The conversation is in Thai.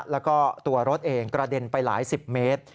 แล้วก็ตัวรถเองกระเด็นไปหลายสิบเมตร